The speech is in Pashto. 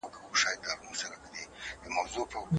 که ماشوم ته پام وسي نو استعداد یې وده کوي.